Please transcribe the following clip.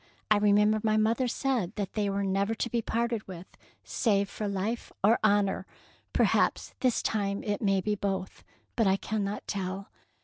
I remember my mother said that they were never to be parted with save ^ for life or honour.' Perhaps this time it may be both, but I cannot tell."